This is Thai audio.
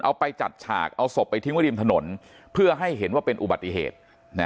เอาไปจัดฉากเอาศพไปทิ้งไว้ริมถนนเพื่อให้เห็นว่าเป็นอุบัติเหตุ